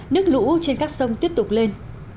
nước lũ trên các sông tiếp tục lên